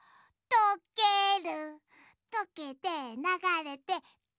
「とける」